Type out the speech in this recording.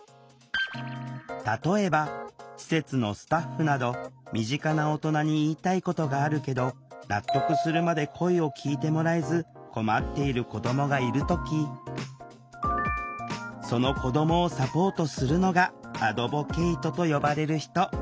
例えば施設のスタッフなど身近な大人に言いたいことがあるけど納得するまで声を聴いてもらえず困っている子どもがいる時その子どもをサポートするのがアドボケイトと呼ばれる人。